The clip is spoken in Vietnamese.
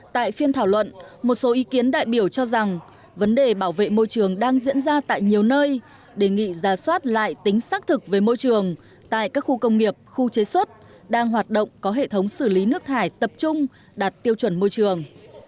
tại phiên thảo luận một số ý kiến đại biểu cho rằng vấn đề bảo vệ môi trường đang diễn ra tại nhiều nơi đề nghị ra soát lại tính xác thực về môi trường tại các khu công nghiệp khu chế xuất đang hoạt động có hệ thống xử lý nước thải tập trung đạt tiêu chuẩn môi trường